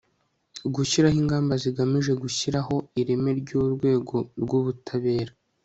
gushyiraho ingamba zigamije gushyiraho ireme ry'urwego rw'ubutabera